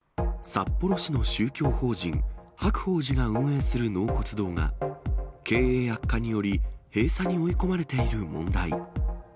札幌市の宗教法人白鳳寺が運営する納骨堂が、経営悪化により、閉鎖に追い込まれている問題。